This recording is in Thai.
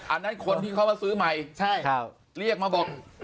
อันนั้นคนที่เขามาซื้อใหม่เรียกมาบอก